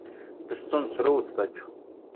Tas suns rūc taču.